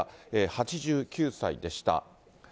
８９歳でした。